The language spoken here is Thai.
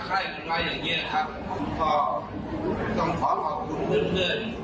ที่มาให้พอมันเกิด